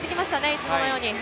いつものように。